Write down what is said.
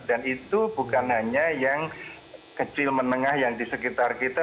dan itu bukan hanya yang kecil menengah yang di sekitar kita